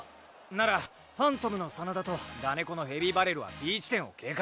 ならファントムのサナダとダネコのヘビーバレルはＢ地点を警戒！